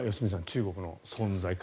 中国の存在感。